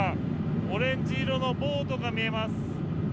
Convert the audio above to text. オレンジ色のボートが見えます。